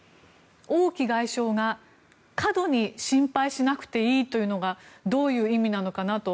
王毅外相が過度に心配しなくていいというのがどういう意味なのかなと。